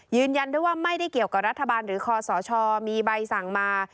ยืนยันด้วยว่าไม่ได้เกี่ยวกับรัฐบาลหรือคอสชมีใบสั่งมา